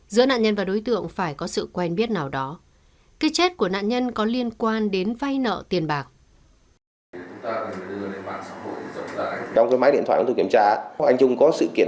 giữa nạn nhân và đối tượng phải có sự quen biết nào đó cái chết của nạn nhân có liên quan đến vay nợ tiền bạc